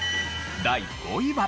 第５位は。